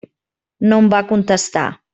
No em va contestar.